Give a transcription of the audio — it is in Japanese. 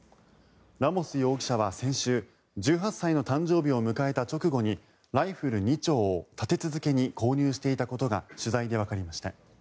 ラモス容疑者は先週１８歳の誕生日を迎えた直後にライフル２丁を立て続けに購入していたことが取材でわかりました。